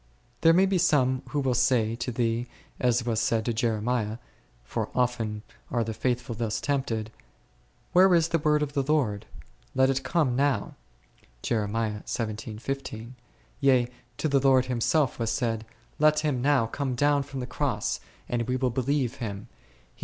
There may be some who will say to thee as was said to Jeremiah (for often are the faithful thus tempted), Where is the word of the Lord? Let it come now* ; yea, to the Lord Himself was said, Let Him now come down from the cross and we will believe Him; e Jer.